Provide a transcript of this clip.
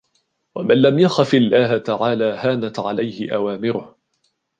وَمَنْ لَمْ يَخَفْ اللَّهَ تَعَالَى هَانَتْ عَلَيْهِ أَوَامِرُهُ